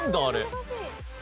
難しい。